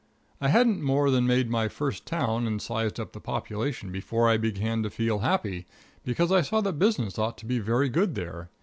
I hadn't more than made my first town and sized up the population before I began to feel happy, because I saw that business ought to be very good there.